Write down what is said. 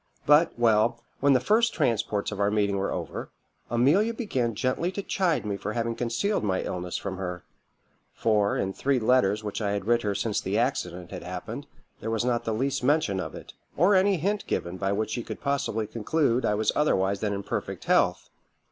But well when the first transports of our meeting were over, Amelia began gently to chide me for having concealed my illness from her; for, in three letters which I had writ her since the accident had happened, there was not the least mention of it, or any hint given by which she could possibly conclude I was otherwise than in perfect health.